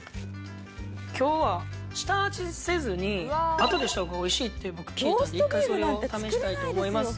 今日は下味せずにあとでした方が美味しいって僕聞いたので１回それを試したいと思います。